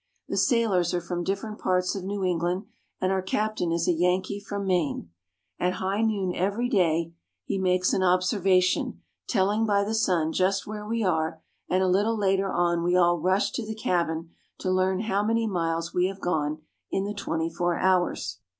The sailors are from different parts of New England, and our captain is a Yankee from Maine. At high noon every day he makes an observation, telling by the sun just where we are, and a little later on we all rush to the cabin to learn how many miles we have gone in the twenty four hours.